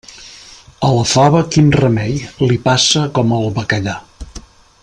A la fava, quin remei!, li passa com al bacallà.